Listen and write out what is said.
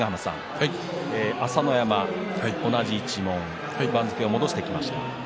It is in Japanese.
朝乃山、同じ一門番付を戻してきました。